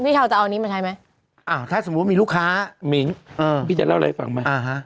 พี่เช้าจะเอานี้มาใช้ไหมอ่าถ้าสมมุติมีลูกค้ามีอืมพี่จะเล่าอะไรให้ฟังไหมอ่าฮะ